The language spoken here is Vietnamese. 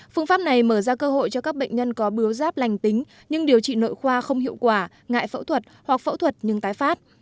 phương pháp này mở ra cơ hội cho các bệnh nhân có bướu giáp lành tính nhưng điều trị nội khoa không hiệu quả ngại phẫu thuật hoặc phẫu thuật nhưng tái phát